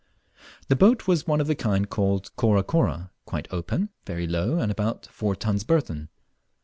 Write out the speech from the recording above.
The boat was one of the kind called "Kora kora," quite open, very low, and about four tons burthen.